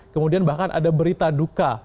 kemudian bahkan ada berita duka